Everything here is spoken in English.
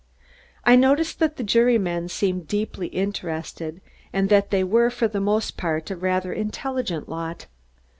I noticed that the jurymen seemed deeply interested and that they were, for the most part, a rather intelligent lot.